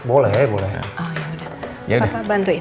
oh ya udah papa bantuin